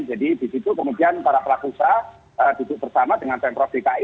jadi di situ kemudian para pelaku usaha duduk bersama dengan sentral bki